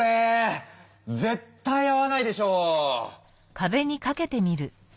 絶対合わないでしょ